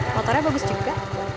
motornya bagus juga